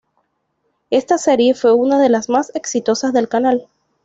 Esta serie fue una de las más exitosas del canal.